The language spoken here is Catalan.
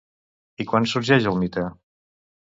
I quan sorgeix el mite?